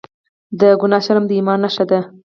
د ګناه شرم د ایمان نښه ده.